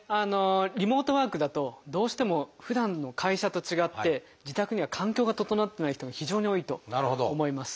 リモートワークだとどうしてもふだんの会社と違って自宅には環境が整ってない人も非常に多いと思います。